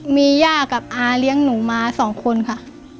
มีหญ้ากับอาเลี้ยงหนูมา๒คนค่ะ